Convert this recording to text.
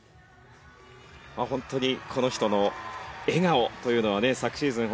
本当にこの人の笑顔というのはね昨シーズン